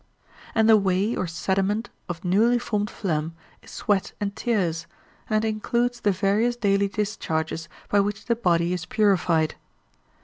And the whey or sediment of newly formed phlegm is sweat and tears, and includes the various daily discharges by which the body is purified.